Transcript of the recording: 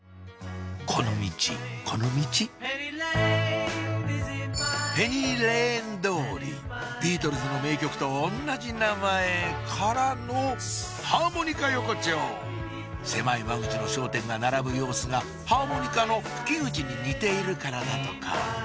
このミチこのミチペニーレーン通りビートルズの名曲と同じ名前からのハーモニカ横丁狭い間口の商店が並ぶ様子がハーモニカの吹き口に似ているからだとか